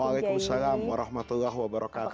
waalaikumsalam warahmatullahi wabarakatuh